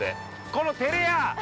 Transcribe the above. この照れ屋！